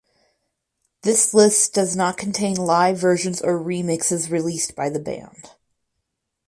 This list does not contain live versions or remixes released by the band.